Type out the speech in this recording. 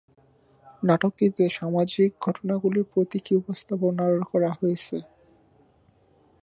নাটকটিতে সামাজিক ঘটনাগুলির প্রতীকী উপস্থাপনা করা হয়েছে।